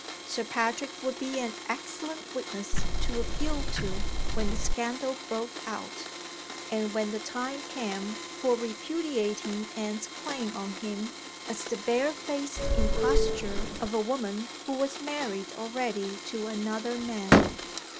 Sir Patrick would be an excellent witness to appeal to, when the scandal broke out, and when the time came for repudiating Anne's claim on him as the barefaced imposture of a woman who was married already to another man.